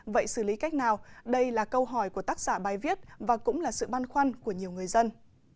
vậy xử lý cách nào đây là câu hỏi của tác giả bài viết và cũng là sự băn khoăn của nhiều người dân